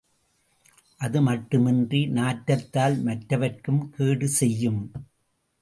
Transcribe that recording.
அதுமட்டுமின்றி நாற்றத்தால் மற்றவர்க்கும் கேடு செய்யும்.